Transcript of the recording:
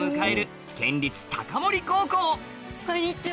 こんにちは。